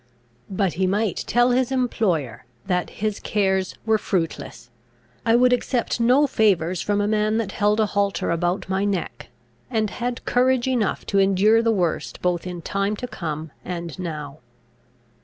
But he might tell his employer, that his cares were fruitless: I would accept no favours from a man that held a halter about my neck; and had courage enough to endure the worst both in time to come and now.